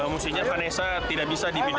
musiknya vanessa tidak bisa dibidana